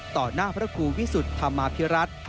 หน้าพระครูวิสุทธิ์ธรรมาภิรัตน์